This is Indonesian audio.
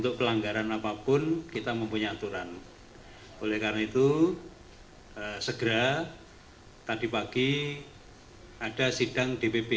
deputi maupun sekjen